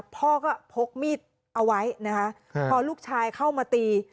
พ่อก็พกมีดเอาไว้นะคะพอลูกชายเข้ามาตี